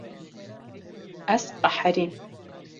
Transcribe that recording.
Ez qeherîm.